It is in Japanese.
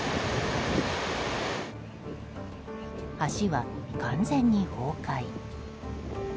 橋は完全に崩壊。